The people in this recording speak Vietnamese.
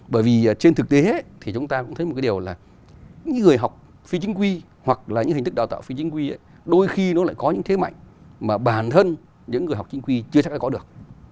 bởi vì trên thực tế thì chúng ta cũng thấy một cái điều là những người học phi chính quy hoặc là những hình thức đào tạo phi chính quy đôi khi nó lại có những thế mạnh mà bản thân những người học chính quy chưa chắc đã có được